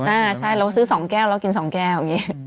อ่าใช่เราซื้อสองแก้วเรากินสองแก้ว